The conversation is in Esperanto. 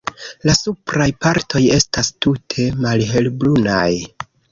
La supraj partoj estas tute malhelbrunaj.